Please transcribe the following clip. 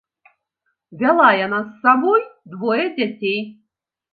Вяла яна з сабой двое дзяцей.